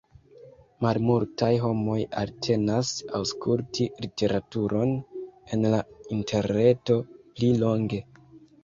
Malmultaj homoj eltenas aŭskulti literaturon en la interreto pli longe.